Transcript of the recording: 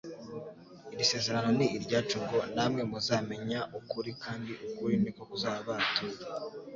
iri sezerano ni iryacu ngo :« Namwe muzamenya ukuri kandi ukuri niko kuzababatura ».